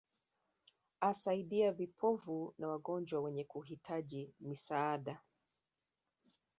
Asaidia vipofu na wagonjwa wenye kuhitaji misaada